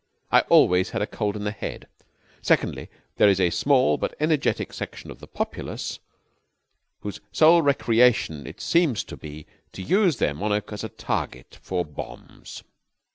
I always had a cold in the head. Secondly, there is a small but energetic section of the populace whose sole recreation it seems to be to use their monarch as a target for bombs.